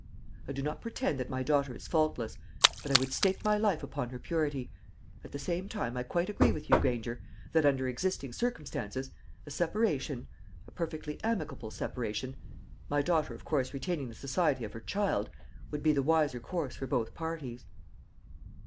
I do not pretend that my daughter is faultless; but I would stake my life upon her purity. At the same time I quite agree with you, Granger, that under existing circumstances, a separation a perfectly amicable separation, my daughter of course retaining the society of her child would be the wiser course for both parties."